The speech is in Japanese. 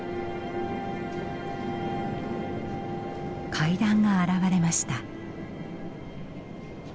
階段が現れました。